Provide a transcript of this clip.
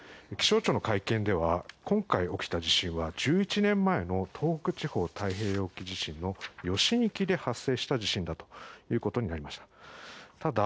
気象庁の会見では今回起きた地震は１１年前の東北地方太平洋沖地震の余震域で発生した地震ということになりました。